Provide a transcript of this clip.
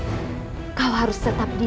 aku rasa kau harus tetap diam